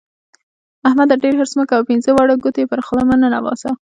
احمده! ډېر حرص مه کوه؛ پينځه واړه ګوتې پر خوله مه ننباسه.